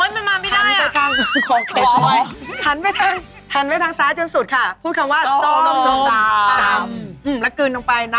โอ๊ยมันมาไม่ได้อ่ะทั้งขวาจนสุดหันไปทางซ้ายจนสุดค่ะพูดคำว่าส้มตำและกลืนน้ำลายลงไป